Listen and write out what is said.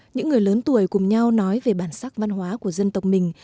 những người lớn tuổi cùng nhau nói về bản sắc văn hóa của dân tộc mình